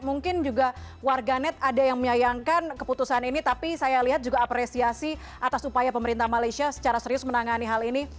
mungkin juga warganet ada yang menyayangkan keputusan ini tapi saya lihat juga apresiasi atas upaya pemerintah malaysia secara serius menangani hal ini